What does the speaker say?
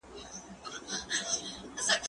زه له سهاره ليک لولم!!